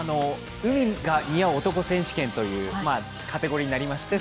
海が似合う男選手権というカテゴリーになりまして